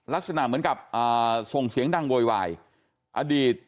ลักษณะเหมือนกับอ่าส่งเสียงดังโวยวายอดีต